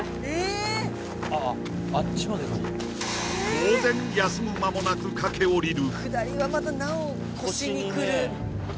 当然休む間もなく駆け下りる